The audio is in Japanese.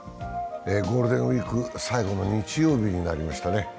ゴールデンウイーク最後の日曜日になりましたね。